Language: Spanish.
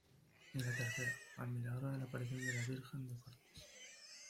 Y la tercera, al milagro de la Aparición de la Virgen de Cortes.